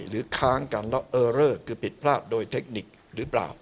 หรือไม่หรือค้างกันแล้วเออเรอร์คือผิดพลาดโดยเทคนิคหรือเปล่า